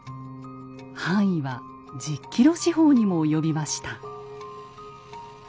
範囲は１０ｋｍ四方にも及びました。